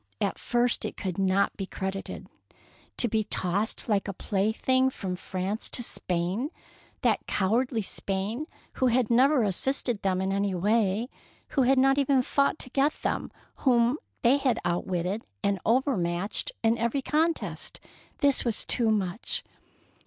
At first it could not be credited. To 192 THE PEAEL NECKLACE be tossed like a plaything from France to Spain, that cowardly Spain who had never assisted them in any way, who had not even fought to get them, whom they had outwitted and over matched in every contest, — this was too much!